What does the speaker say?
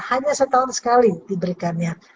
hanya setahun sekali diberikannya